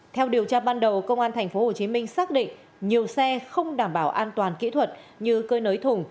theo điều tra ban đầu công an tp hcm xác định nhiều xe không đảm bảo an toàn kỹ thuật như cơi nới thùng